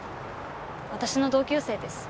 私の同級生です。